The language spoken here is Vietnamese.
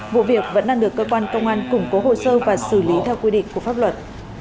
vụ việc vẫn đang được cơ quan công an củng cố hồ sơ và xử lý theo quy định của pháp luật